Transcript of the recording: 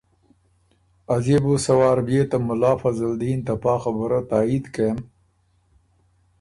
”از يې بُو سۀ وار بئے ته مُلا فضل دین ته پا خبُره تائید کېم